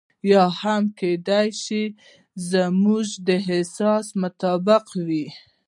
یا هم کېدای شي زموږ د احساس مطابق وي.